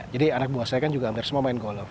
jadi anak buah saya kan juga hampir semua main golf